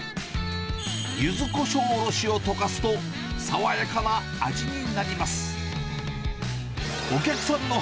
ユズコショウおろしをとかすと、爽やかな味になります。